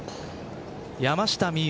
山下美夢